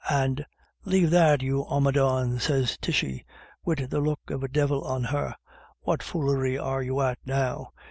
"And ' Lave that, you omadhawn,' sez Tishy, wid the look of a divil on her. ' What foolery are you at now